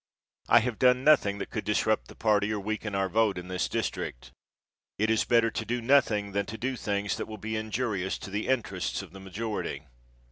I have done nothing that could disrupt the party or weaken our vote in this district. It is better to do nothing than to do things that will be injurious to the interests of the majority.